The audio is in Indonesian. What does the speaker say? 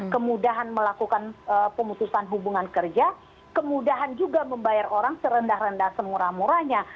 kemudahan melakukan pemutusan hubungan kerja kemudahan juga membayar orang serendah rendah semurah murahnya